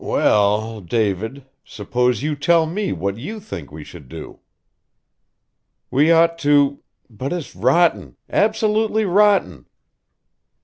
"We e ll, David suppose you tell me what you think we should do?" "We ought to but it's rotten! Absolutely rotten!"